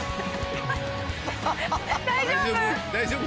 大丈夫？